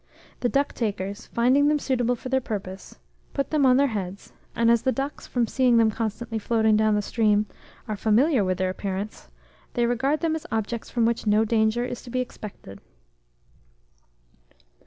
The duck takers, finding them suitable for their purpose, put them on their heads; and as the ducks, from seeing them constantly floating down the stream, are familiar with their appearance, they regard them as objects from which no danger is to be expected.